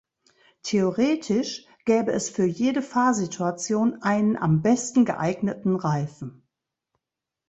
Theoretisch gäbe es für jede Fahrsituation einen am besten geeigneten Reifen.